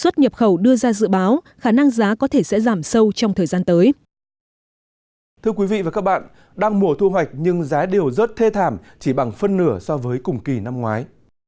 thưa quý vị và các bạn đang mùa thu hoạch nhưng giá điều rất thê thảm chỉ bằng phân nửa so với cùng kỳ năm ngoái